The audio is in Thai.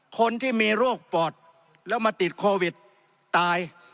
คนที่มีโรคปอดแล้วมาติดโควิดตาย